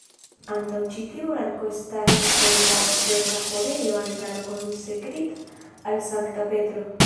Antaŭ ĉi tiu arko staris en la okcidenta ĥorejo altaro konsekrita al Sankta Petro.